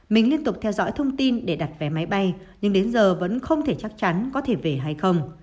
mình liên tục theo dõi thông tin để đặt vé máy bay nhưng đến giờ vẫn không thể chắc chắn có thể về hay không